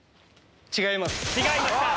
違います。